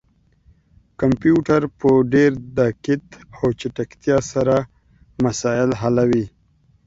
کمپيوټر په ډير دقت او چټکتيا سره مسايل حلوي